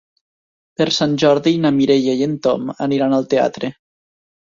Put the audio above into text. Per Sant Jordi na Mireia i en Tom aniran al teatre.